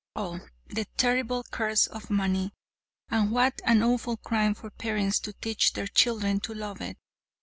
Oh, the terrible curse of money! And what an awful crime for parents to teach their children to love it!